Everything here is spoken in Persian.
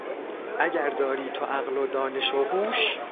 اگر داری تو عقل و دانش و هوش...